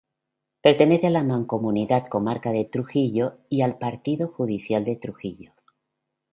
Pertenece a la Mancomunidad Comarca de Trujillo y al Partido Judicial de Trujillo.